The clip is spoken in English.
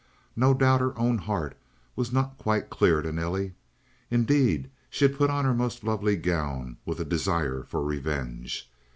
No doubt her own heart was not quite clear to Nelly. Indeed, she put on her most lovely gown with a desire for revenge.